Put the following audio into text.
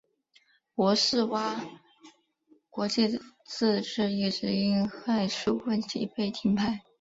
博士蛙国际自此一直因核数问题被停牌。